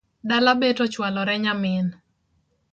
Dala bet ochualore nyamin